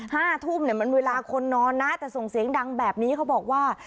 ห้าทุ่มเนี่ยมันเวลาคนนอนนะแต่ส่งเสียงดังแบบนี้เขาบอกว่า